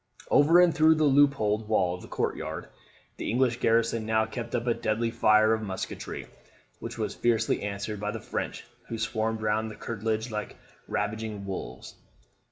Over and through the loopholed wall of the courtyard, the English garrison now kept up a deadly fire of musketry, which was fiercely answered by the French, who swarmed round the curtilage like ravening wolves.